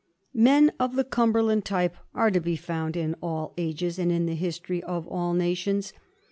Men of the Cumberland type are to be found in all ages, and in the history of all nations.